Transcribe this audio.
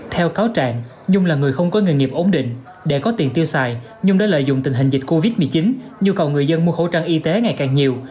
theo cáo trạng nhung là người không có nghề nghiệp ổn định để có tiền tiêu xài nhung đã lợi dụng tình hình dịch covid một mươi chín nhu cầu người dân mua khẩu trang y tế ngày càng nhiều